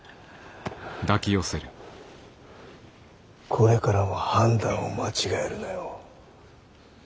これからも判断を間違えるなよ。